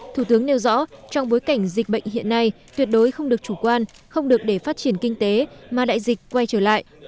thủ tướng nêu rõ trong bối cảnh dịch bệnh hiện nay tuyệt đối không được chủ quan không được để phát triển kinh tế mà đại dịch quay trở lại